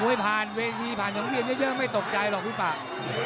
ผ่านเวทีผ่านสังเวียนเยอะไม่ตกใจหรอกพี่ป่า